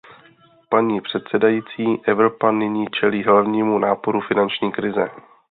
Paní předsedající, Evropa nyní čelí hlavnímu náporu finanční krize.